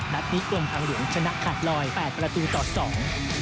นัดนี้กรมทางหลวงชนะขาดลอยแปดประตูต่อสอง